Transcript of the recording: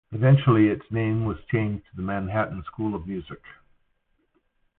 Eventually, its name was changed to Manhattan School of Music.